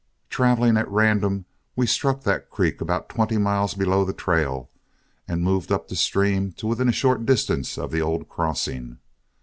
Traveling at random, we struck that creek about twenty miles below the trail, and moved up the stream to within a short distance of the old crossing.